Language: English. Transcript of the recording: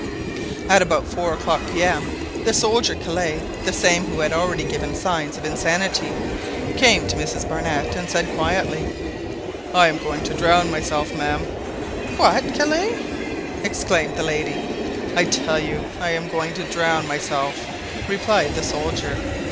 At about four o'clock P.M., the soldier Kellet, the same who had already given signs of insanity, came to Mrs Barnett and said quietly— "I am going to drown myself, ma'am." "What, Kellet?" exclaimed the lady. "I tell you I am going to drown myself," replied the soldier.